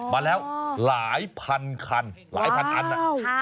มาแล้วหลายพันคันหลายพันอันนะ